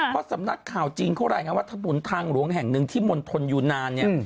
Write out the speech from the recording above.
เพราะสำนักข่าวจีนเข้าลายว่าถนนทางหลวงแห่งหนึ่งที่มนตรยูนาน